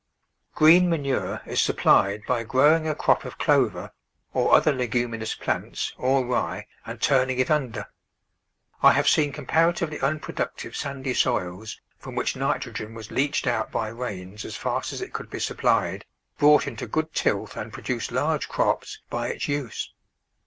Green manure is supplied by growing a crop of clover, or other leguminous plants, or rye, and turning it under. I have seen comparatively un productive sandy soils from which nitrogen was leached out by rains as fast as it could be supplied, brought into good tilth and produce large crops by its use.